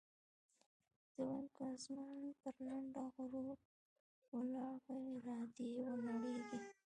زه وايم که اسمان پر لنډه غرو ولاړ وي را دې ونړېږي.